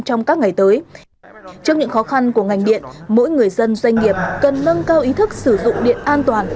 trong những ngày tới những khó khăn của ngành điện mỗi người dân doanh nghiệp cần nâng cao ý thức sử dụng điện an toàn